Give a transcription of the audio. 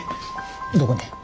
どこに？